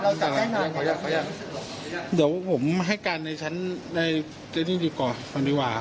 เดี๋ยวผมให้กันในชั้นในเจนี่จีบก่อนก็ดีกว่า